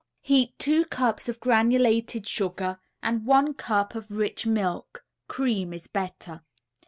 ] Heat two cups of granulated sugar and one cup of rich milk (cream is better).